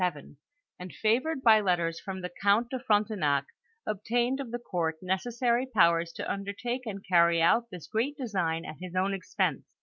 89 and favored by lettera from the count de Frontenac, obtained of the court necessary powers to undertake and carry out this great design at his own expense.